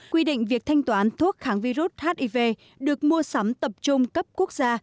quy định việc thanh toán thuốc kháng virus hiv được mua sắm tập trung cấp quốc gia